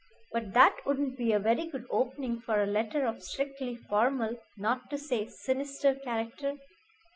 But that wouldn't be a very good opening for a letter of strictly formal, not to say sinister character.